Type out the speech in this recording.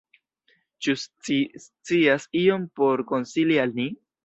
Ĉu ci scias ion por konsili al ni?